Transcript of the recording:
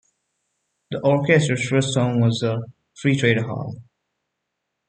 The orchestra's first home was the Free Trade Hall.